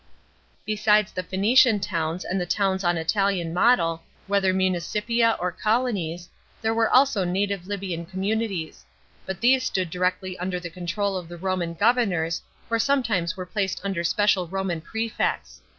Besides the Phoenician towns, and the towns on Italian model, whether municipia or colonies, there were also native Libyan communities ; but these stood directly under the control of the Roman governors, or sometimes were placed under special Roman prefects.